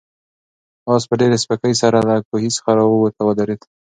آس په ډېرې سپکۍ سره له کوهي څخه راووت او ودرېد.